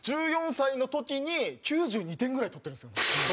１４歳の時に９２点ぐらい取ってるんですよ。